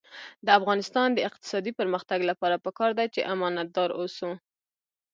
د افغانستان د اقتصادي پرمختګ لپاره پکار ده چې امانتدار اوسو.